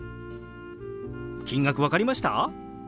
金額分かりました？